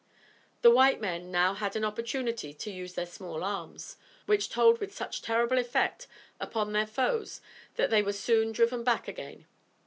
The white men now had an opportunity to use their small arms, which told with such terrible effect upon their foes that they were soon driven back again.